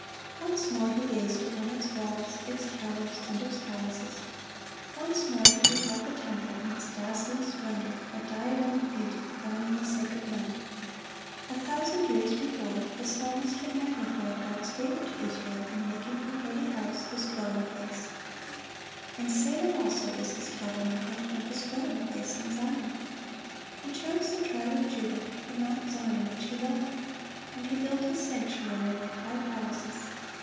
Once more He gazed upon its walls, its towers, and its palaces. Once more He beheld the temple in its dazzling splendor, a diadem of beauty crowning the sacred mount. A thousand years before, the psalmist had magnified God's favor to Israel in making her holy house His dwelling place: "In Salem also is His tabernacle, and His dwelling place in Zion."(23) He "chose the tribe of Judah, the Mount Zion which He loved. And He built His sanctuary like high palaces."